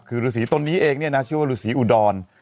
คือฤษีตนนี้เองเนี่ยนะชื่อว่าฤษีอุดร